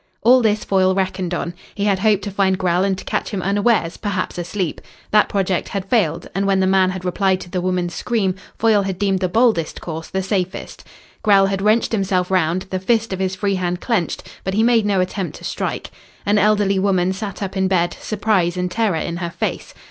All this Foyle reckoned on. He had hoped to find Grell and to catch him unawares, perhaps asleep. That project had failed, and when the man had replied to the woman's scream, Foyle had deemed the boldest course the safest. Grell had wrenched himself round, the fist of his free hand clenched, but he made no attempt to strike. An elderly woman sat up in bed, surprise and terror in her face.